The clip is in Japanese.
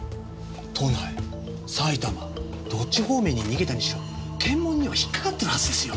都内埼玉どっち方面に逃げたにしろ検問には引っかかってるはずですよ。